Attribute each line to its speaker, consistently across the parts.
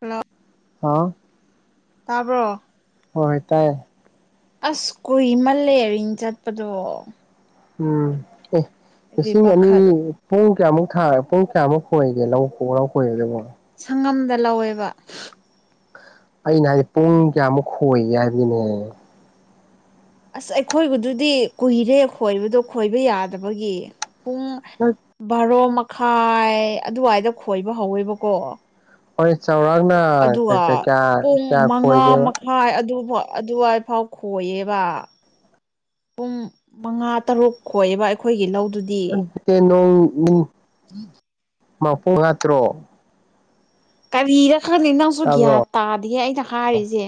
Speaker 1: Hello
Speaker 2: ꯍꯥꯎ
Speaker 1: ꯇꯥꯕ꯭ꯔꯣ
Speaker 2: ꯍꯣꯏ ꯍꯣꯏ ꯇꯥꯏꯌꯦ
Speaker 1: ꯑꯁ ꯀꯨꯏꯃꯜꯂꯦ ꯔꯤꯡ ꯆꯠꯄꯗꯣ
Speaker 2: ꯎꯝ ꯑꯦ
Speaker 1: ꯑꯩꯗꯤ
Speaker 2: ꯃꯁꯤ ꯑꯅꯤ
Speaker 1: ꯄꯥꯈꯠ
Speaker 2: ꯄꯨꯡ ꯀꯌꯥꯃꯨꯛ ꯊꯥ ꯄꯨꯡ ꯀꯌꯥꯃꯨꯛ ꯈꯣꯏꯒꯦ ꯂꯧ ꯈꯣ ꯂꯧ ꯈꯣꯏꯕꯗꯨꯕꯣ
Speaker 1: ꯁꯪꯉꯝꯗ ꯂꯧꯋꯦꯕ
Speaker 2: ꯑꯩꯅ ꯍꯥꯏꯗꯤꯦ ꯄꯨꯡ ꯀꯌꯥꯃꯨꯛ ꯈꯣꯏꯒꯦ ꯍꯥꯏꯕꯒꯤꯅꯦ
Speaker 1: ꯑꯁ ꯑꯩꯈꯣꯏꯕꯨꯗꯨꯗꯤ ꯀꯨꯏꯔꯦ ꯈꯣꯏꯕꯗꯣ ꯈꯣꯏꯕ ꯌꯥꯗꯕꯒꯤ ꯄꯨꯡ ꯕꯥꯔꯣ ꯃꯈꯥꯏ ꯑꯗꯨꯋꯥꯏꯗ ꯈꯣꯏꯕ ꯍꯧꯋꯦꯕꯀꯣ
Speaker 2: ꯍꯣꯏ ꯆꯧꯔꯥꯛꯅ ꯀꯌꯥ ꯈꯣꯏꯒꯦꯕ
Speaker 1: ꯍꯣꯏ ꯑꯗꯨ ꯑꯗꯨꯏꯐꯥꯎ ꯈꯣꯏꯌꯦꯕ ꯄꯨꯡ ꯃꯉꯥ ꯇꯔꯨꯛ ꯈꯑꯕ ꯑꯩꯈꯣꯏꯒꯤ ꯂꯧꯗꯨꯗꯤ
Speaker 2: ꯅꯣꯡ ꯃꯄꯨꯡ ꯍꯥꯠꯇ꯭ꯔꯣ
Speaker 1: ꯀꯥꯔꯤꯔ ꯈꯔꯅꯤꯅꯥꯁꯨꯣ
Speaker 2: ꯇꯥꯕ꯭ꯔꯣ
Speaker 1: ꯌꯥꯠ ꯇꯥꯗꯤꯌꯦ ꯑꯩꯅ ꯍꯥꯏꯔꯤꯁꯦ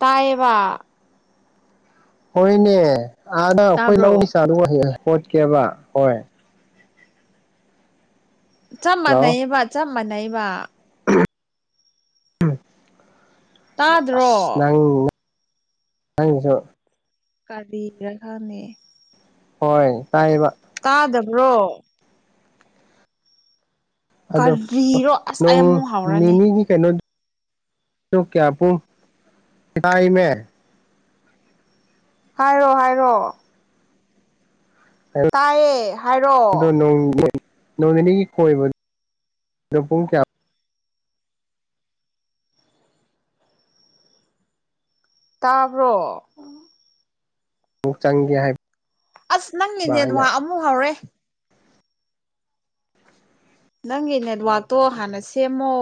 Speaker 1: ꯇꯥꯏꯌꯦꯕ
Speaker 2: ꯍꯣꯏꯅꯦ ꯑꯥꯗ ꯑꯩꯈꯣꯏ
Speaker 1: ꯇꯥꯕ꯭ꯔꯣ
Speaker 2: ꯂꯧꯒꯤ ꯆꯥꯗꯨ ꯍꯣꯠꯀꯦꯕ ꯍꯣꯏ
Speaker 1: ꯆꯞ
Speaker 2: ꯍꯜꯂꯣ
Speaker 1: ꯃꯥꯟꯅꯩꯕ ꯆꯞ ꯃꯥꯟꯅꯩꯕ
Speaker 2: ꯑꯁ
Speaker 1: ꯇꯥꯗ꯭ꯔꯣ
Speaker 2: ꯅꯪ ꯅꯪꯁꯨ
Speaker 1: ꯀꯔꯤꯔꯥ [unintelligible]
Speaker 2: ꯍꯣꯏ ꯇꯥꯏꯕ
Speaker 1: ꯇꯥꯗꯕ꯭ꯔꯣ
Speaker 2: ꯑꯗꯣ
Speaker 1: ꯀꯔꯤꯔꯣ ꯑꯁ ꯑꯩ
Speaker 2: ꯅꯣꯡ
Speaker 1: ꯑꯃꯨꯛ ꯍꯧꯔꯅꯤ
Speaker 2: ꯅꯅꯤꯅꯤꯒꯤ ꯀꯩꯅꯣ ꯀꯌꯥ ꯄ ꯊ ꯃꯦ꯫
Speaker 1: ꯍꯥꯏꯔꯣ ꯍꯥꯏꯔꯣ꯫ ꯇꯥꯏꯌꯦ꯫ ꯍꯥꯏꯔꯣ
Speaker 2: ꯑꯣ ꯅꯣꯡ ꯅꯤꯅꯤꯒꯤ ꯀꯣꯏꯕ ꯑꯣ ꯄꯨꯡꯌꯥ꯫
Speaker 1: ꯇꯥꯕ꯭ꯔꯣ꯫
Speaker 2: ꯑꯃꯨꯛ ꯆꯪꯒꯦ ꯍꯥꯏ꯫
Speaker 1: ꯑꯁ ꯅꯪ ꯒꯤ ꯅꯦ ꯋꯥꯥꯛ ꯑꯃꯨꯛ ꯍꯧꯥꯎꯔꯦ꯫ ꯅꯪꯒꯤ ꯅꯦꯠꯋꯥꯛꯇꯣ ꯍꯥꯟꯅ ꯁꯦꯝꯃꯣ꯫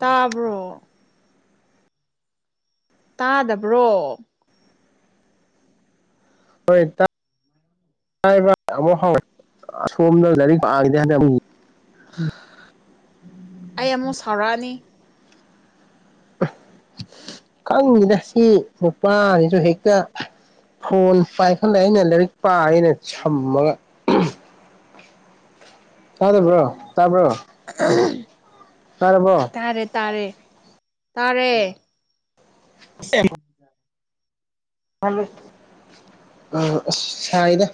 Speaker 1: ꯇꯥꯕ꯭ꯔꯣ꯫ ꯇꯥꯗꯕ꯭ꯔꯣ꯫
Speaker 2: ꯍꯣꯏ ꯑꯃꯨꯛ ꯍꯥꯎ ꯑꯁꯣꯝꯅ ꯂꯥꯏꯔꯤꯛ ꯄꯥꯒꯗꯤ ꯍꯟꯗꯛ꯫
Speaker 1: ꯑꯩ ꯑꯃꯨꯛ ꯁꯥꯎꯔꯛꯑꯅꯤ꯫ [unintelligible]
Speaker 2: ꯈꯪꯉꯤꯅ ꯁꯤ ꯅꯨꯄꯥꯁꯤꯁꯨ ꯍꯦꯛꯇ꯫ ꯐꯣꯟ ꯄꯥꯏꯈꯠꯂꯦ ꯑꯩꯅ ꯂꯥꯏꯔꯤꯛ ꯄꯥ ꯑꯩꯅ ꯁꯝꯃꯒ꯫ ꯇꯥꯗꯕ꯭ꯔꯣ ꯇꯥꯕ꯭ꯔꯣ꯫
Speaker 1: ꯎ [unintelligible]
Speaker 2: ꯇꯔꯕꯣ꯫
Speaker 1: ꯇꯥꯔꯦ ꯇꯥꯔꯦ ꯇꯥꯔꯦ꯫
Speaker 2: ꯑꯦ [unintelligible] ꯑꯥ ꯑꯁ ꯁꯥꯏꯗꯥ꯫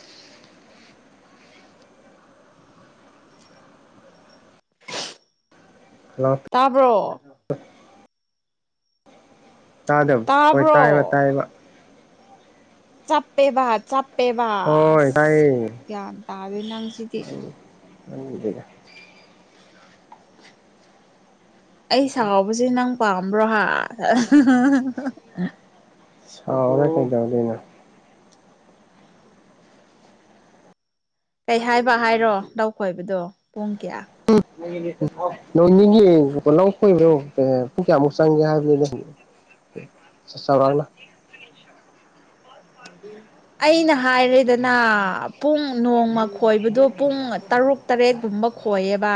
Speaker 2: ꯍꯜꯂꯣ꯫
Speaker 1: ꯇꯥꯕ꯭ꯔꯣ꯫
Speaker 2: ꯇꯥꯗꯕ ꯍꯣꯏ
Speaker 1: ꯇꯥꯕ꯭ꯔꯣ
Speaker 2: ꯇꯥꯏꯕ ꯇꯥꯏꯕ꯫
Speaker 1: ꯆꯞꯄꯦꯕ ꯆꯞꯄꯦꯕ
Speaker 2: ꯍꯣꯏ
Speaker 1: ꯑꯁ
Speaker 2: ꯇꯥꯏꯌꯦ
Speaker 1: ꯒ꯭ꯌꯥꯟ ꯇꯥꯗꯦꯏ ꯅꯪ ꯁꯤꯗꯤ꯫
Speaker 2: ꯇꯨꯝꯗꯔꯤꯗ꯫
Speaker 1: ꯑꯩ ꯁꯥꯎꯁꯦ ꯅꯪ ꯄꯥꯝꯕ꯭ꯔꯣ꯫
Speaker 2: ꯁꯥꯎꯔ ꯅꯪ ꯀꯩꯗꯧꯗꯣꯏꯅꯣ꯫
Speaker 1: ꯀꯩ ꯍꯥꯏꯕ ꯍꯥꯏꯔꯣ ꯂꯧ ꯈꯣꯏꯕꯗꯣ ꯄꯨꯡ ꯀꯌꯥ꯫
Speaker 2: ꯅꯣꯡ ꯅꯤꯡꯉꯤ ꯂꯧ ꯀꯣꯏꯕ꯭ꯔꯣ ꯄꯨꯡ ꯀꯌꯥꯃꯨꯛ ꯆꯪꯒꯦ ꯍꯥꯏꯕꯅꯤ ꯅ꯫
Speaker 1: [inaudible]
Speaker 2: ꯆꯧꯔꯛꯅ꯫
Speaker 1: ꯎ꯫ ꯑꯩꯅ ꯍꯥꯏꯔꯦꯗꯅ ꯄꯨꯡ ꯅꯣꯡꯃ ꯈꯣꯏꯕꯗꯨ ꯄꯨꯡ ꯇꯔꯨꯛ꯫ ꯇꯔꯦꯠꯀꯨꯝꯕ ꯈꯣꯏꯌꯦꯕ꯫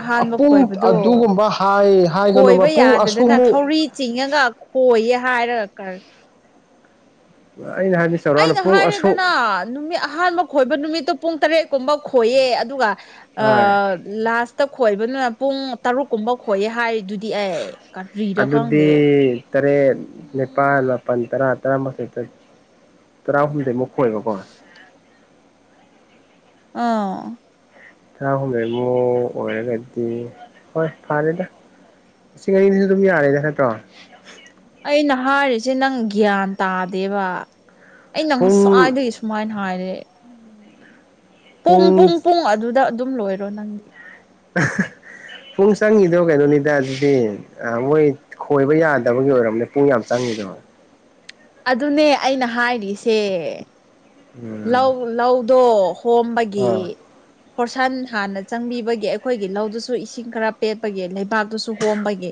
Speaker 1: ꯑꯍꯥꯟꯕ
Speaker 2: ꯄꯨꯡ
Speaker 1: ꯈꯣꯏꯕꯗꯣ
Speaker 2: ꯑꯗꯨꯒꯨꯝꯕ ꯍꯥꯏ ꯍꯥꯏꯒꯅꯨꯕ
Speaker 1: ꯈꯣꯏꯕ
Speaker 2: ꯄꯨꯡ
Speaker 1: ꯌꯥꯗꯗꯅ
Speaker 2: ꯑꯁꯨꯛꯃꯨꯛ
Speaker 1: ꯊꯧꯔꯤ ꯆꯤꯡꯉꯒ꯫ ꯍꯣꯏꯌꯦ ꯍꯥꯏꯔꯒ ꯀꯔ꯫
Speaker 2: ꯑꯩꯅ ꯍꯥꯏꯕꯗꯤ ꯆꯥꯎꯔꯥꯛꯅ
Speaker 1: ꯑꯩꯅ
Speaker 2: ꯄꯨꯡ ꯑꯁꯨꯛ
Speaker 1: ꯍꯥꯏꯔꯦꯗꯅ ꯅꯨꯃꯤꯠ ꯑꯍꯥꯟꯕ꯫ ꯈꯣꯏꯕ ꯅꯨꯃꯤꯠꯇꯨ ꯄꯨꯡ ꯇꯔꯦꯠꯀꯨꯝꯕ ꯈꯣꯏꯌꯦ ꯑꯗꯨꯒ ꯑ꯫
Speaker 2: ꯍꯣꯏ
Speaker 1: ꯂꯥꯁꯇ ꯈꯣꯏꯕꯗꯨꯅ ꯄꯨꯡ ꯇꯔꯨꯛ ꯀꯨꯝꯕ ꯈꯣꯏꯌꯦ ꯍꯥꯏꯔꯤꯗꯨꯗꯤ ꯑꯩ꯫ ꯀꯔꯤꯔ
Speaker 2: ꯑꯗꯨꯗꯤ꯫
Speaker 1: ꯈꯪꯗꯦ
Speaker 2: ꯇꯔꯦꯠ ꯅꯤꯄꯥꯜ ꯃꯥꯄꯜ ꯇꯔꯥ ꯇꯔꯥꯃꯥꯊꯣꯏ ꯇꯔꯥꯍꯨꯝꯗꯣꯏꯃꯨꯛ꯫ ꯈꯣꯏꯕ ꯀꯣ꯫
Speaker 1: ꯑꯥ꯫
Speaker 2: [unintelligible] ꯂꯩꯃꯣ ꯑꯣꯏꯔꯒꯗꯤ ꯍꯣꯏ ꯐꯥꯔꯦꯗ꯫ ꯂꯤꯁꯤꯡ ꯑꯅꯤꯁꯨ ꯑꯗꯨꯝ ꯌꯥꯔꯦꯗ ꯅꯠꯇ꯭ꯔꯣ꯫
Speaker 1: ꯑꯩꯅ ꯍꯥꯏꯔꯤꯁꯦ ꯅꯪ ꯒ꯭ꯌꯥꯟ ꯇꯥꯗꯦꯕ ꯑꯩꯅ
Speaker 2: ꯄꯨꯡ
Speaker 1: ꯉꯁ꯭ꯋꯥꯏꯗꯒꯤ꯫ ꯁꯨꯃꯥꯏꯅ ꯍꯥꯏꯔꯦ ꯎꯝ ꯄꯨꯡ ꯄꯨꯡ ꯄꯨꯡ ꯑꯗꯨꯗ ꯑꯗꯨꯝ ꯂꯣꯏꯔꯣ ꯅꯪꯗꯤ꯫
Speaker 2: ꯄꯨꯡ ꯆꯪꯉꯤꯗꯣ ꯀꯩꯅꯣꯅꯤꯗ ꯑꯗꯨꯗꯤ꯫ ꯑ ꯃꯣꯏ ꯈꯣꯏꯕ ꯌꯥꯗꯕꯒꯤ ꯑꯣꯏꯔꯔꯕꯅꯦ ꯄꯨꯡ ꯌꯥꯝ ꯆꯪꯉꯤꯗꯣ꯫
Speaker 1: ꯑꯗꯨꯅꯦ ꯑꯩꯅ ꯍꯥꯏꯔꯤꯁꯦ
Speaker 2: ꯎꯝ
Speaker 1: ꯂꯧ ꯂꯧꯗꯣ ꯍꯣꯝꯕꯒꯤ
Speaker 2: ꯑꯥ
Speaker 1: ꯍꯣꯔꯁꯟ ꯍꯥꯟꯅ ꯆꯪꯕꯤꯕꯒꯤ ꯑꯩꯈꯣꯏꯒꯤ ꯂꯧꯗꯨꯁꯨ ꯏꯁꯤꯡ ꯈꯔ ꯄꯦꯠꯄꯒꯤ ꯂꯩꯕꯥꯛꯇꯨꯁꯨ ꯍꯣꯝꯕꯒꯤ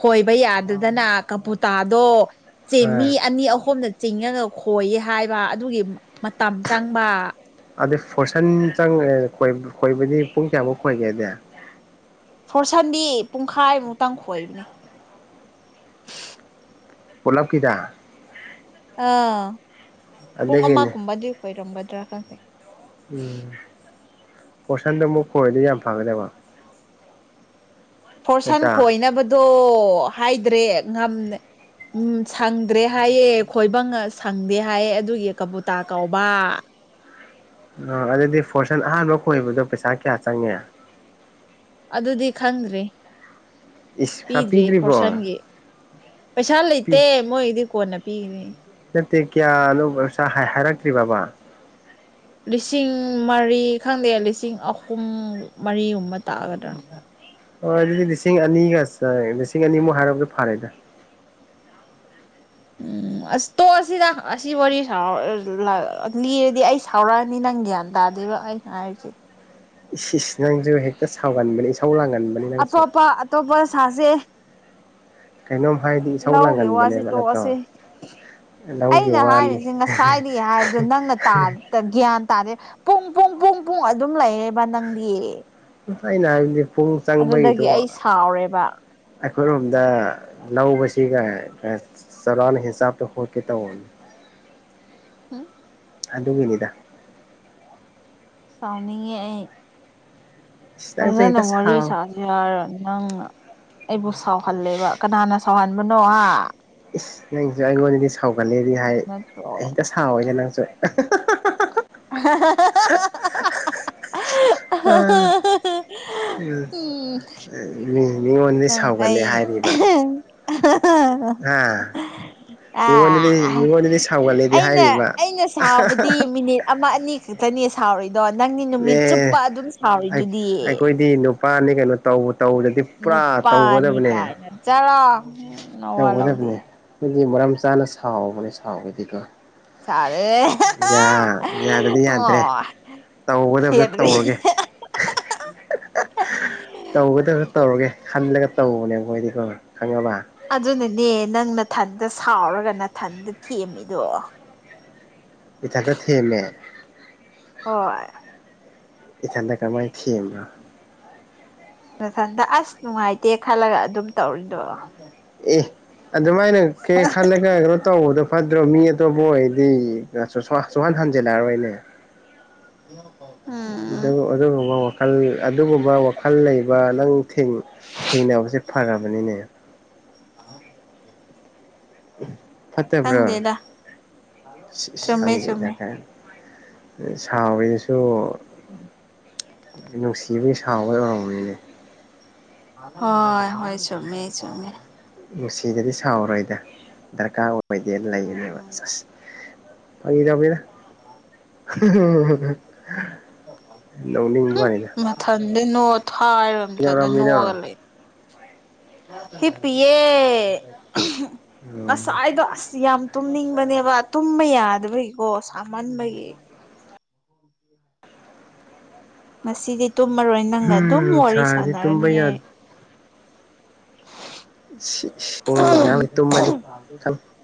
Speaker 1: ꯈꯣꯏꯕ ꯌꯥꯗꯗꯅ ꯀꯝꯄꯨꯇꯥꯗꯣ ꯆꯦ
Speaker 2: ꯍꯣꯏ
Speaker 1: ꯃꯤ ꯑꯅꯤ ꯑꯍꯨꯝꯅ ꯆꯤꯡꯉꯒ ꯈꯣꯏꯌꯦ ꯍꯥꯏꯕ ꯑꯗꯨꯒꯤ ꯃꯇꯝ ꯆꯪꯕ
Speaker 2: ꯑꯗꯨꯗ ꯐꯣꯔꯁꯟ ꯆꯪꯉꯦ ꯈꯣꯏꯕꯗꯤ ꯄꯨꯡ ꯀꯌꯥꯃꯨꯛ ꯈꯣꯏꯒꯦꯗꯤ
Speaker 1: ꯐꯣꯔꯁꯟꯗꯤ ꯄꯨꯡꯈꯥꯏꯃꯨꯛꯇꯪ ꯈꯣꯏꯕꯅꯤ
Speaker 2: ꯄꯂꯞꯀꯤꯗ
Speaker 1: ꯑꯥ ꯄꯨꯡ
Speaker 2: ꯑꯗꯒꯤꯅꯦ
Speaker 1: ꯑꯃꯒꯨꯝꯕꯗꯤ ꯀꯣꯏꯔꯝꯒꯗ꯭ꯔꯥ ꯈꯪꯖꯩ
Speaker 2: ꯎꯝ ꯄꯣꯁꯟꯗꯣ ꯑꯃꯨꯛ ꯀꯣꯏꯔꯗꯤ ꯌꯥꯝ ꯐꯒꯗꯕ
Speaker 1: ꯐꯣꯔꯁꯟ
Speaker 2: ꯅꯠꯇ꯭ꯔꯥ
Speaker 1: ꯈꯣꯏꯅꯕꯗꯣ ꯍꯥꯏꯗ꯭ꯔꯦ ꯉꯝ ꯎꯝ ꯁꯪꯗ꯭ꯔꯦ ꯍꯥꯏꯌꯦ ꯈꯣꯏꯕ ꯁꯪꯗꯦ ꯍꯥꯏꯌꯦ ꯑꯗꯨꯒꯤ ꯀꯕꯨꯨꯇꯥ ꯀꯧꯕ
Speaker 2: ꯑ ꯑꯗꯨꯗꯤ ꯐꯣꯔꯁꯟ ꯑꯍꯥꯟꯕ ꯈꯣꯏꯕꯗꯣ ꯄꯩꯁꯥ ꯀꯌꯥ ꯆꯪꯉꯦ
Speaker 1: ꯑꯗꯨꯗꯤ ꯈꯪꯗ꯭ꯔꯦ
Speaker 2: ꯏꯁ ꯄꯩꯁꯥ
Speaker 1: ꯄꯤꯗ꯭ꯔꯤ
Speaker 2: ꯄꯤꯗ꯭ꯔꯤꯕꯣ
Speaker 1: ꯐꯣꯔꯁꯟꯒꯤ ꯄꯩꯁꯥ ꯂꯩꯇꯦ ꯃꯣꯏꯗꯤ ꯀꯣꯟꯅ ꯄꯤꯒꯅꯤ
Speaker 2: ꯅꯠꯇꯦ ꯀꯌꯥꯅꯧꯕ ꯍꯥꯏꯔꯛꯇ꯭ꯔꯤꯕꯕꯥ
Speaker 1: ꯂꯤꯁꯤꯡ ꯃꯔꯤ ꯈꯪꯗꯦ ꯂꯤꯁꯤꯡ ꯑꯍꯨꯝ ꯃꯔꯤꯒꯨꯝꯕ ꯇꯥꯛꯒꯗ꯭ꯔꯥꯅꯤ
Speaker 2: ꯍꯣꯏ ꯑꯗꯨꯗꯤ ꯂꯤꯁꯤꯡ ꯑꯅꯤꯒ ꯆ ꯂꯤꯁꯤꯡ ꯑꯅꯤꯃꯨꯛ ꯍꯥꯏꯔꯔꯕꯗꯤ ꯐꯔꯦꯗ
Speaker 1: ꯎꯝ ꯑꯁ ꯇꯣꯛꯑ ꯑꯁꯤꯗ ꯑꯁꯤ ꯋꯥꯔꯤ ꯂꯤꯔꯗꯤ ꯑꯩ ꯁꯥꯎꯔꯛꯑꯅꯤ ꯅꯪ ꯒ꯭ꯌꯥꯟ ꯇꯥꯗꯦꯕ ꯑꯩ ꯍꯥꯏꯁꯦ
Speaker 2: ꯏꯁ ꯏꯁ ꯅꯪꯁꯨ ꯍꯦꯛꯇ ꯁꯥꯎꯒꯟꯕꯅꯦ ꯏꯁꯥꯎ ꯂꯒꯟ
Speaker 1: ꯑꯇꯣꯞꯄ ꯑꯇꯣꯞꯄ ꯁꯥꯁꯦ
Speaker 2: ꯀꯩꯅꯣꯝ ꯍꯥꯏꯗꯤ ꯏꯁꯧ
Speaker 1: ꯂꯧꯒꯦ ꯋꯥꯁꯤ
Speaker 2: ꯂꯥꯡꯒꯟꯕꯅꯦꯕ
Speaker 1: ꯇꯣꯛꯑꯁꯦ
Speaker 2: ꯅꯠꯇ꯭ꯔꯣ ꯂꯧꯒꯤ
Speaker 1: ꯑꯩꯅ
Speaker 2: ꯋꯥꯅꯤ
Speaker 1: ꯍꯥꯏꯔꯤꯁꯦ ꯉꯁꯥꯏꯗꯩ ꯍꯥꯏꯕꯗꯣ ꯅꯪꯅ ꯇꯥ ꯇ ꯒ꯭ꯌꯥꯟ ꯇꯥꯔꯦ ꯄꯨꯡ ꯄꯨꯡ ꯄꯨꯡ ꯄꯨꯡ ꯑꯗꯨꯝ ꯂꯩꯌꯦꯕ ꯅꯪꯗꯤ
Speaker 2: ꯑꯩꯅ ꯍꯥꯏꯕꯗꯤ ꯄꯨꯡ
Speaker 1: ꯑꯗꯨꯗꯒꯤ
Speaker 2: ꯆꯪꯕꯩꯗꯣ
Speaker 1: ꯑꯩ ꯁꯥꯎꯔꯦꯕ
Speaker 2: ꯑꯩꯈꯣꯏꯔꯣꯝꯗ ꯂꯧꯕꯁꯤꯒ ꯁꯂꯥꯟ ꯍꯁꯥꯕ ꯍ ꯇ
Speaker 1: ꯎ
Speaker 2: ꯑꯗꯨꯒꯤꯅꯤꯗ
Speaker 1: ꯁꯥꯎꯅꯤꯡꯉꯦ ꯑꯩ
Speaker 2: ꯏꯁ ꯅꯪꯁꯨ
Speaker 1: ꯐꯖꯅ
Speaker 2: ꯍꯦꯛꯇ
Speaker 1: ꯋꯔꯤ
Speaker 2: ꯁꯥꯎ
Speaker 1: ꯁꯥꯥꯖꯦ ꯌꯥꯔ ꯅꯪ ꯑꯩꯕꯨ ꯁꯥꯎꯍꯜꯂꯦꯕ ꯀꯅꯥꯅ ꯁꯥꯎꯍꯟꯕꯅꯣ ꯍꯥ
Speaker 2: ꯏꯁ ꯅꯪꯁꯨ ꯑꯩꯉꯣꯟꯗꯗꯤ ꯁꯥꯎꯒꯠꯂꯦꯗꯤ
Speaker 1: ꯅꯪ
Speaker 2: ꯍꯥꯏ
Speaker 1: ꯅꯠꯇ꯭ꯔꯣ
Speaker 2: ꯍꯦꯛꯇ ꯁꯥꯎꯋꯦꯅꯦ ꯅꯪꯁꯨ
Speaker 1: ꯍ
Speaker 2: ꯑ
Speaker 1: ꯎꯝ
Speaker 2: ꯎ
Speaker 1: ꯅꯪ
Speaker 2: ꯁꯒꯠꯂꯦ
Speaker 1: ꯑꯩ
Speaker 2: ꯍꯥꯏꯔꯤꯕ ꯑ
Speaker 1: ꯑ ꯑꯩꯅ
Speaker 2: ꯍꯥꯏꯔꯤꯕ
Speaker 1: ꯑꯩꯅ ꯁꯕꯗꯤ ꯃꯤꯅꯤꯠ ꯑꯃ ꯑꯅꯤ ꯈꯛꯇꯅꯦ ꯁꯥꯎꯔꯏꯗꯣ ꯅꯪꯅꯤ ꯅꯨꯃꯤꯠ ꯆꯨꯞꯄ
Speaker 2: ꯑꯦ
Speaker 1: ꯑꯗꯨꯝ ꯁꯥꯎꯔꯤꯗꯨꯗꯤꯌꯦ
Speaker 2: ꯄꯥꯅꯤ ꯀꯩꯅꯣ ꯇꯧꯕ ꯇꯧꯗꯗꯤ ꯄꯨꯔꯥ
Speaker 1: ꯅꯨꯞꯄꯥꯅꯤ
Speaker 2: ꯇꯧꯒꯗꯕꯅꯦ
Speaker 1: ꯀꯥꯏꯅ ꯆꯂꯣ
Speaker 2: ꯇꯧꯒꯗꯕꯅꯦ ꯃꯤꯗꯤ ꯃꯔꯝ ꯆꯥꯅ ꯁꯥꯎꯕꯅꯦ ꯁꯥꯎꯔꯗꯤꯀꯣ
Speaker 1: ꯁꯥꯔꯦ
Speaker 2: ꯌꯥ ꯌꯥꯗꯗꯤ ꯌꯥꯗ꯭ꯔꯦ
Speaker 1: ꯑꯣ
Speaker 2: ꯇꯧꯒꯗꯕꯗꯨ
Speaker 1: ꯍꯦꯗ꯭ꯔꯤ
Speaker 2: ꯇꯧꯔꯒꯦ ꯇꯧꯒꯗꯕꯁꯨ ꯇꯧꯔꯒꯦ ꯈꯜꯂꯒ ꯇꯧꯕꯅꯦ ꯃꯣꯏꯗꯤꯀꯣ ꯈꯪꯉꯕ
Speaker 1: ꯑꯗꯨꯅꯅꯦ ꯅꯪ ꯅꯥꯊꯟꯗ ꯁꯥꯎꯔꯒ ꯅꯥꯊꯟꯗ ꯊꯦꯝꯃꯤꯗꯣ
Speaker 2: ꯏꯊꯟꯇꯥ ꯊꯦꯝꯃꯦ
Speaker 1: ꯍꯣꯏ
Speaker 2: ꯏꯊꯟꯇꯥ ꯀꯃꯥꯏ ꯊꯦꯝꯕꯔꯥ
Speaker 1: ꯅꯊꯟꯇꯥ ꯑꯁ ꯅꯨꯡꯉꯥꯏꯇꯦ ꯈꯜꯂꯒ ꯑꯗꯨꯝ ꯇꯧꯔꯤꯗꯣ
Speaker 2: ꯑꯦ ꯑꯗꯨꯃꯥꯏꯅ ꯀ ꯈꯜꯂꯒꯦ [unintelligible] ꯀꯩꯅꯣ ꯇꯧꯕꯗꯣ ꯐꯠꯇ꯭ꯔꯣ ꯃꯤ ꯑꯇꯣꯞꯄ ꯑꯣꯏꯔꯗꯤ ꯁꯨꯍꯟ ꯍꯟꯖꯤꯜꯂꯛꯔꯣꯏꯅꯦ
Speaker 1: [unintelligible]
Speaker 2: ꯑꯗꯨ
Speaker 1: ꯎꯝ
Speaker 2: ꯑꯗꯨꯒꯨꯝꯕ ꯋꯥꯈꯜ ꯑꯗꯨꯒꯨꯝꯕ ꯋꯥꯈꯜ ꯂꯩꯕ ꯅꯪ ꯊꯦꯡ ꯊꯦꯡꯅꯕꯁꯦ ꯐꯔꯕꯅꯤꯅꯦ
Speaker 1: [unintelligible]
Speaker 2: ꯐꯠꯇꯕ꯭ꯔꯣ
Speaker 1: ꯈꯪꯗꯦꯗ
Speaker 2: ꯏꯁ
Speaker 1: ꯆꯨꯝꯃꯦ
Speaker 2: ꯈꯪꯉꯤꯗ
Speaker 1: ꯆꯨꯝꯃꯦ
Speaker 2: ꯀꯥꯏ ꯁꯥꯎꯔꯤꯗꯨꯁꯨ ꯅꯨꯡꯁꯤꯕꯒꯤ ꯁꯥꯎꯕꯩ ꯑꯣꯏꯔꯝꯅꯤꯅꯦ
Speaker 1: ꯍꯣꯏ ꯍꯣꯏ ꯆꯨꯝꯃꯦ ꯆꯨꯝꯃꯦ
Speaker 2: ꯅꯨꯡꯁꯤꯗ꯭ꯔꯗꯤ ꯁꯥꯎꯔꯔꯣꯏꯗ ꯗꯔꯀꯥꯔ ꯑꯣꯏꯗꯦꯅ ꯂꯩꯒꯅꯦꯕ
Speaker 1: ꯎꯝ
Speaker 2: ꯑꯁ ꯐꯥꯒꯤ ꯇꯧꯕꯅꯦꯗ ꯅꯣꯛꯅꯤꯡꯕꯩ ꯋꯥꯅꯤꯗ
Speaker 1: ꯊꯟꯗꯥ ꯅꯣꯛ ꯊꯥꯏꯔꯕ ꯃꯊꯟꯗ
Speaker 2: ꯀꯩꯗꯧꯔꯝꯃꯤꯅꯣ
Speaker 1: ꯅꯣꯛꯑꯒ ꯂꯩ ꯍꯤ ꯄꯤꯌꯦ
Speaker 2: ꯎꯝ
Speaker 1: ꯉꯁꯥꯏꯗꯣ ꯑꯁ ꯌꯥꯝ ꯇꯨꯝꯅꯤꯡꯕꯅꯦꯕ ꯇꯨꯝꯕ ꯌꯥꯗꯕꯒꯤꯀꯣ ꯁꯥꯃꯟꯕꯒꯤ [unintelligible] ꯉꯁꯤꯗꯤ ꯇꯨꯝꯃꯔꯣꯏ ꯅꯪꯒ ꯑꯗꯨꯝ ꯋꯥꯔꯤ
Speaker 2: ꯁꯥꯔꯗꯤ ꯇꯨꯝꯕ
Speaker 1: ꯁꯥꯟꯅꯔꯅꯤꯌꯦ
Speaker 2: ꯌꯥꯗꯦ ꯏꯁ ꯏꯁ ꯉꯥꯏꯍꯥꯛ ꯂꯩꯔ ꯇꯨꯝꯃꯅꯤ ꯈꯪ
Speaker 1: [unintelligible]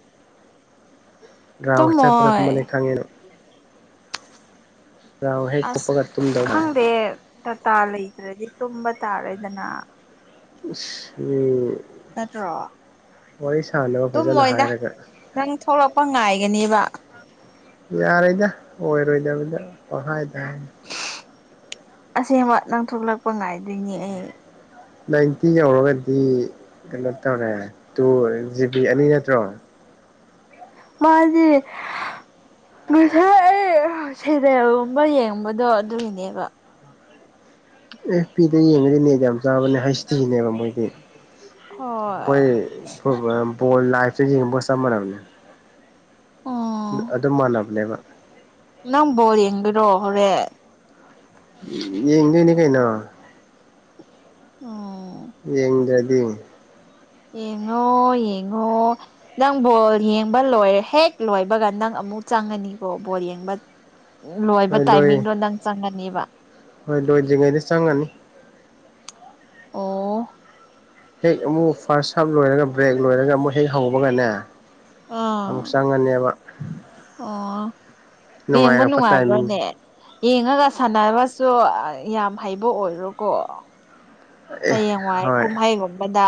Speaker 1: ꯇꯨꯝꯃꯣꯏ
Speaker 2: [unintelligible] ꯔꯥꯎꯟ ꯍꯦꯛ
Speaker 1: ꯑꯁ
Speaker 2: ꯆꯠꯄꯒ ꯇꯨꯝꯗꯧ ꯃꯥꯜꯂꯦ
Speaker 1: ꯈꯪꯗꯦ ꯗꯥꯇꯥ ꯂꯩꯇ꯭ꯔꯗꯤ ꯇꯨꯝꯕ ꯇꯥꯔꯦꯗꯅ
Speaker 2: [unintelligible]
Speaker 1: ꯅꯠꯇ꯭ꯔꯣ
Speaker 2: ꯋꯥꯔꯤ ꯁꯥꯟꯅꯕ ꯐꯖꯅ
Speaker 1: ꯇꯨꯝꯣꯏꯗ
Speaker 2: ꯍꯥꯏꯔꯒ
Speaker 1: ꯅꯪ ꯊꯣꯛꯂꯛꯄ ꯉꯥꯏꯒꯅꯦꯕ
Speaker 2: ꯌꯥꯔꯣꯏꯗ ꯑꯣꯏꯔꯣꯏꯗꯕꯗ ꯄꯩꯍꯥꯏ ꯇ ꯍꯥꯏꯅꯤ
Speaker 1: ꯑꯁꯦꯡꯕ ꯅꯪ ꯊꯣꯛꯂꯛꯄ ꯉꯥꯏꯗꯣꯏꯅꯦ ꯑꯩ
Speaker 2: ꯅꯥꯏꯟꯇꯤ ꯌꯧꯔꯒꯗꯤ ꯀꯩꯅꯣ ꯇꯧꯔꯦ ꯇꯨ ꯖꯤꯕꯤ ꯑꯅꯤ ꯅꯠꯇ꯭ꯔꯣ
Speaker 1: ꯃꯥꯗꯤ ꯉꯁꯥꯏ ꯑꯩ ꯁꯦꯔꯦꯜꯒꯨꯝꯕ ꯌꯦꯡꯕꯗꯣ ꯑꯗꯨꯏꯅꯦꯕ [unintelligible]
Speaker 2: ꯑꯦꯐ ꯄꯤꯗ ꯌꯦꯡꯉꯗꯤꯅꯦ ꯌꯥꯝ ꯆꯥꯕꯅꯦ ꯍꯁꯇꯤꯅꯦꯕ ꯃꯣꯏꯗꯤ ꯍꯣꯏ ꯕꯣꯜ ꯂꯥꯏꯐꯇ ꯌꯦꯡꯕꯒ ꯆꯞ ꯃꯥꯟꯅꯕꯅꯤ
Speaker 1: ꯎꯝ
Speaker 2: ꯑꯗꯨꯝ ꯃꯥꯟꯅꯕꯅꯦꯕ
Speaker 1: ꯅꯪ ꯕꯣꯜ ꯌꯦꯡꯗꯣꯏꯔꯣ ꯍꯣꯔꯦꯟ
Speaker 2: ꯌꯦꯡꯗꯣꯏꯅꯦ ꯀꯩꯅꯣ
Speaker 1: ꯑꯣ
Speaker 2: ꯌꯦꯡꯗ꯭ꯔꯗꯤ
Speaker 1: ꯌꯦꯡꯉꯣ ꯌꯦꯡꯉꯣ ꯅꯪ ꯕꯣꯜ ꯌꯦꯡꯕ ꯂꯣꯏꯔꯦ ꯍꯦꯛ ꯂꯣꯏꯕꯒ ꯅꯪ ꯑꯃꯨꯛ ꯆꯪꯉꯅꯤꯀꯣ ꯕꯣꯜ ꯌꯦꯡꯕ ꯂꯣꯏꯕ
Speaker 2: ꯍꯣꯏ ꯂꯣꯏ
Speaker 1: ꯇꯥꯏꯃꯤꯡꯗꯣ ꯅꯪ ꯆꯪꯉꯅꯦꯕ
Speaker 2: ꯍꯣꯏ ꯂꯣꯏꯗ꯭ꯔꯤꯉꯩꯗ ꯆꯪꯉꯅꯤ
Speaker 1: ꯑꯣ
Speaker 2: ꯍꯦꯛ ꯑꯃꯨꯛ ꯐꯥꯔꯁ ꯍꯥꯞ ꯂꯣꯏꯔꯒ ꯕ꯭ꯔꯦꯛ ꯂꯣꯏꯔꯒ ꯑꯃꯨꯛ ꯍꯦꯛ ꯍꯧꯕꯒꯅꯦ ꯑꯃꯨꯛ
Speaker 1: ꯑꯥ
Speaker 2: ꯆꯪꯉꯅꯦꯕ
Speaker 1: ꯑꯣ ꯌꯦꯡꯕ
Speaker 2: ꯅꯨꯡꯉꯥꯏꯔꯛꯄ ꯇꯥꯏꯃꯤꯡ
Speaker 1: ꯅꯨꯡꯉꯥꯏꯕ꯭ꯔꯅꯦ ꯌꯦꯡꯉꯒ ꯁꯥꯟꯅꯕꯁꯨ ꯌꯥꯝ ꯍꯩꯕ ꯑꯣꯏꯔꯣꯀꯣ
Speaker 2: ꯑꯦ
Speaker 1: ꯍꯌꯦꯡꯋꯥꯏ
Speaker 2: ꯍꯣꯏ
Speaker 1: ꯀꯨꯝꯍꯩꯒꯨꯝꯕꯗ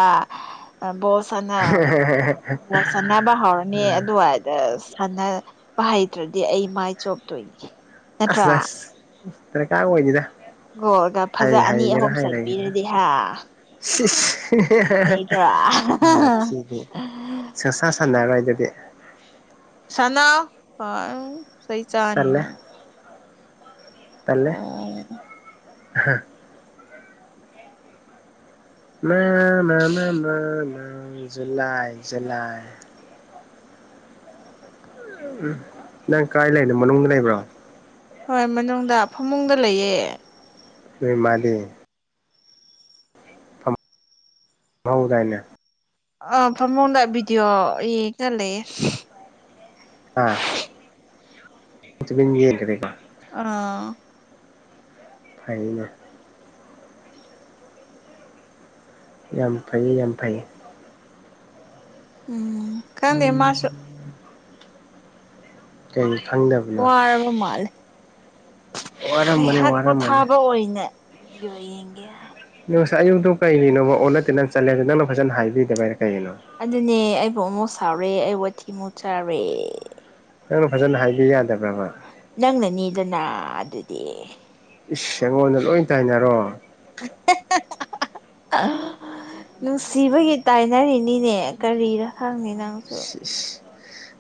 Speaker 1: ꯕꯣꯜ ꯁꯥꯅ ꯕꯣꯜ ꯁꯥꯟꯅꯥꯕ ꯍꯧꯔꯅꯤ ꯑꯗꯨꯒꯥ [unintelligible] ꯁꯥꯟꯅꯕ ꯍꯩꯇ꯭ꯔꯗꯤ ꯑꯩ ꯃꯥꯏ ꯆꯣꯝꯇꯣꯏꯅꯤ
Speaker 2: ꯑꯁ ꯗꯁ ꯗꯔꯀꯥꯔ ꯑꫭꯏꯗꯦꯗ꯫
Speaker 1: ꯒꯣꯒ ꯐꯖ ꯑꯅꯤ ꯑꯍꯨꯝ ꯆꯟꯕꯤꯔꯗꯤ ꯍꯥ꯫
Speaker 2: ꯁꯤꯁ
Speaker 1: ꯅꯩꯗ꯭ꯔꯥ
Speaker 2: [unintelligible] ꯋꯥꯊꯤꯗꯤ꯫ ꯁꯁꯥ ꯁꯥꯟꯅꯔꫭꯏ ꯗꯨꯗꯤ꯫
Speaker 1: ꯁꯅꯥꯑꫭ ꯄꯪ ꯆꯩ ꯆꯥꯅꯤ ꯅꯪ꯫
Speaker 2: ꯇꯂꯦ
Speaker 1: ꯑꯣ
Speaker 2: ꯍꯥ꯫ [unintelligible] ꯎꯝ ꯅꯪ ꯀꯥꯏ ꯂꯩꯅꯣ ꯃꯅꯨꯡꯗ ꯂꯩꯕ꯭ꯔꯣ꯫
Speaker 1: ꯍꯣꯏ ꯃꯅꯨꯡꯗ ꯐꯃꯨꯡꯗ ꯂꯩꯌꯦ꯫
Speaker 2: ꯅꫭꯏ ꯃꯥꯗꯤ꯫ ꯃꯍꯧꯗꯥꯏꯅꯦ꯫
Speaker 1: ꯑ ꯐꯃꯨꯡꯗ ꯚꯤꯗꯤꯑꯣ ꯌꯦꯡꯒ ꯂꯩꯌꯦ꯫
Speaker 2: ꯑꯥ ꯇꯨꯃꯤꯟ ꯌꯦꯡꯈꯔꯦꯀꫭ꯫
Speaker 1: ꯑꯥ꯫
Speaker 2: ꯐꯩꯅꯦ꯫ ꯌꯥꯝ ꯐꯩ ꯌꯥꯝ ꯐꯩ꯫
Speaker 1: ꯎꯝ꯫ ꯈꯪꯗꯦ ꯃꯥꯁꯨ
Speaker 2: [inaudible] ꯀꯩ ꯈꯪꯗꯕ
Speaker 1: ꯋꯥꯔꯕ ꯃꯥꯜꯂꯦ꯫
Speaker 2: ꯋꯥꯔꯝꯃꯅꯤ
Speaker 1: ꯉꯍꯥꯛ
Speaker 2: ꯋꯥꯔꯝꯃꯅꯤ
Speaker 1: ꯄꯣꯊꯥꯕ ꯑꯣꯏꯅ ꯚꯤꯗꯤꯑꯣ ꯌꯦꯡꯒꯦ ꯍꯥꯏ꯫
Speaker 2: ꯅꫭ ꯉꯁꯥꯏ ꯑꯌꯨꯛꯇꯣ ꯀꯩꯒꯤꯅꯣꯕ ꯑꯣꯟꯅ ꯇꯩꯅ ꯆꯠꯂꯦ ꯅꯪꯅ ꯐꯖꯅ ꯍꯥꯏꯕꯤꯗꯕꯩꯔ ꯀꯩꯒꯤꯅꯣ꯫
Speaker 1: ꯑꯗꯨꯅꯦ ꯑꯩꯕꯨ ꯑꯃꯨꯛ ꯁꯥꯎꯔꯦ ꯑꯩ ꯋꯥꯊꯤ ꯑꯃꯨꯛ ꯆꯥꯔꯦ꯫
Speaker 2: ꯅꯪꯅ ꯐꯖꯅ ꯍꯥꯏꯕꯤꯕ ꯌꯥꯗꯕ꯭ꯔꯕ꯫
Speaker 1: ꯅꯪꯅꯅꯤꯗꯅ ꯑꯗꯨꯗꯤ꯫
Speaker 2: ꯏꯁ ꯑꯩꯉꯣꯟꯗ ꯂꯣꯏ ꯇꯥꯏꯅꯔꯣ꯫
Speaker 1: [unintelligible] [unintelligible] ꯅꯨꯡꯁꯤꯕꯒꯤ ꯇꯥꯏꯅꯔꯤꯅꯤꯅꯦ ꯀꯔꯤꯔ ꯈꯪꯅꯤꯅ꯫
Speaker 2: ꯁꯤꯁ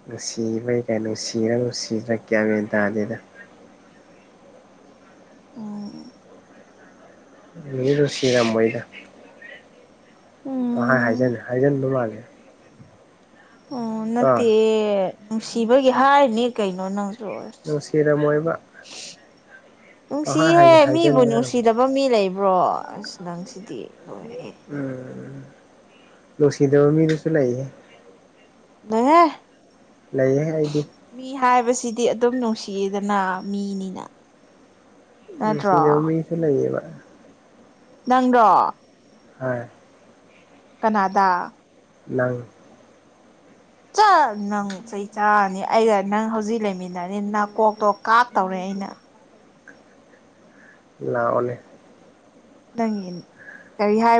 Speaker 2: ꯅꯨꯡꯁꯤꯕꯩ ꯀꯥꯏꯟ ꯅꯨꯡꯁꯤꯔ ꯅꯨꯡꯁꯤꯗ꯭ꯔ ꯀ꯭ꯌꯥꯟ ꯃꯦꯟ ꯇꯥꯗꯦꯗ꯫
Speaker 1: [inaudible] ꯎꯝ꯫
Speaker 2: [inaudible] ꯅꯨꯡꯁꯤꯔꯃꯣꯏꯗ꯫ ꯄꯪꯍꯥꯏ
Speaker 1: ꯎꯝ
Speaker 2: ꯍꯥꯏꯖꯟ ꯍꯥꯏꯖꯟꯕ ꯃꯥꯜꯂꯦ꯫
Speaker 1: ꯑꯣ
Speaker 2: ꯑꯥ
Speaker 1: ꯅꯠꯇꯦ ꯅꯨꯡꯁꯤꯕꯒꯤ ꯍꯥꯏꯔꯤꯅꯦ ꯀꯩꯅꯣ ꯅꯪ꯫ [unintelligible]
Speaker 2: ꯅꯨꯡꯁꯤꯔꯝꯃꯣꯏꯕ ꯄꯪꯍꯥꯏ
Speaker 1: ꯅꯨꯡꯁꯤꯍꯦ
Speaker 2: ꯍꯥꯏ
Speaker 1: ꯃꯤꯕꯨ
Speaker 2: ꯍꯥꯏꯖꯟꯕ
Speaker 1: ꯅꯨꯡꯁꯤꯗ
Speaker 2: ꯑꯣꯏꯔꯝꯅꯤ
Speaker 1: ꯕ ꯃꯤ ꯂꯩꯕ꯭ꯔꯣ ꯑꯁ ꯅꯪꯁꯤꯗꯤ꯫ ꯂꯣꯏꯔꯦꯍꯦ
Speaker 2: ꯎꯝ ꯅꯨꯡꯁꯤꯗꯕ ꯃꯤꯗꯨꯁꯨ ꯂꯩꯌꯦ꯫
Speaker 1: [unintelligible]
Speaker 2: ꯂꯩꯌꯦ ꯑꯩꯗꯤ꯫
Speaker 1: ꯃꯤ ꯍꯥꯏꯕꯁꯤꯗꯤ ꯑꯗꯨꯝ ꯅꯨꯡꯁꯤꯌꯦꯗꯅ ꯃꯤꯅꯤꯅ꯫ ꯅꯠꯇ꯭ꯔꯣ
Speaker 2: ꯅꯨꯡꯁꯤꯗꯕ ꯃꯤꯁꯨ ꯂꯩꯌꯦꯕ꯫
Speaker 1: ꯅꯪꯔꯣ꯫
Speaker 2: ꯍꯥꯏ꯫
Speaker 1: ꯀꯅꯥꯗꯥ꯫
Speaker 2: ꯅꯪ꯫
Speaker 1: ꯆ ꯅꯪ ꯆꯩ ꯆꯥꯔꯅꯤ ꯑꯩꯒ ꯅꯪ ꯍꯧꯖꯤꯛ ꯂꯩꯃꯤꯟꯅꯔꯅꯤ ꯅꯥꯀꯣꯛꯇꯣ ꯀꯥꯞꯇꯧꯔꯦ ꯑꯩꯅ꯫
Speaker 2: ꯂꯥꯛꯑꯣꯅꯦ꯫
Speaker 1: ꯅꯪꯒꯤ ꯀꯔꯤ ꯍꯥꯏ